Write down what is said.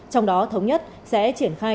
trong đó thống nhất sẽ triển khai